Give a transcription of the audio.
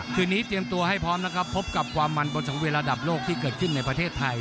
คืนนี้เตรียมตัวให้พร้อมนะครับพบกับความมันบนสังเวียนระดับโลกที่เกิดขึ้นในประเทศไทย